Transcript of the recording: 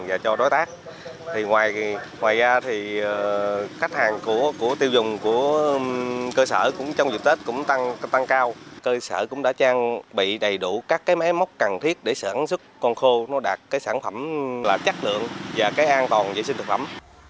ngoài ra thì khách hàng của tiêu dùng của cơ sở trong dịp tết cũng tăng cao cơ sở cũng đã trang bị đầy đủ các máy móc cần thiết để sản xuất con khô nó đạt sản phẩm chắc lượng và an toàn dễ sinh thực lắm